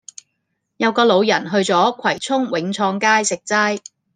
有個老人去左葵涌永創街食齋